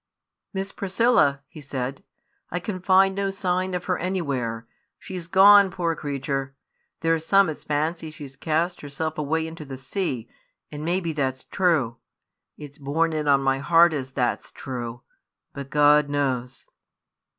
"Miss Priscilla," he said, "I can find no sign of her anywhere. She's gone, poor creature! There's some as fancy she's cast herself away into the sea; and maybe that's true. It's borne in on my heart as that's true; but God knows!"